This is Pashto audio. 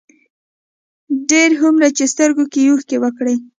ډېر هومره چې سترګو يې اوښکې وکړې،